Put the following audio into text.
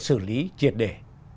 xử lý triệt để